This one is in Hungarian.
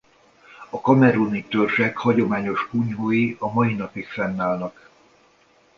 A kameruni törzsek hagyományos kunyhói a mai napig fennállnak.